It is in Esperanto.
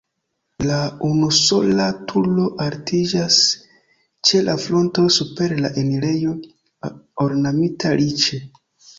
La unusola turo altiĝas ĉe la fronto super la enirejo ornamita riĉe.